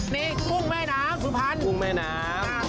นี่กุ้งแม่น้ำสุพรรณกุ้งแม่น้ำ